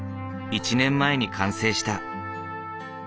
１年前に完成した。